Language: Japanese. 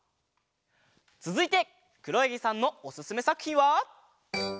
つづいてくろやぎさんのおすすめさくひんは。